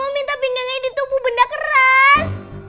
mama minta pinggangnya ditupu benda keras